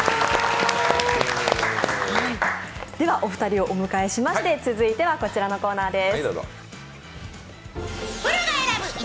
お二人をお迎えしまして、続いてはこちらのコーナーです。